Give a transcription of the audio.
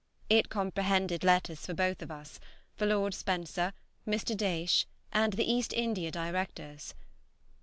It comprehended letters for both of us, for Lord Spencer, Mr. Daysh, and the East India Directors.